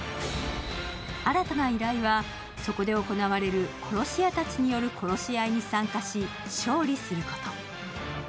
新たな依頼は、そこで行われる殺し屋たちによる殺し合いに参加し勝利すること。